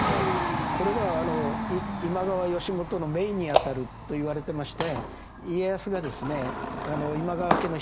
これは今川義元の姪にあたるといわれてまして。